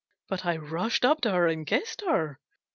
But I rushed up to her and kissed her.